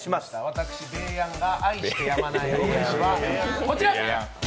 私、べーやんが愛してやまないお菓子はこちら！